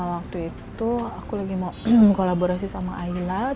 waktu itu aku lagi mau kolaborasi sama aila